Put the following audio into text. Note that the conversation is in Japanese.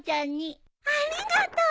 ありがとう。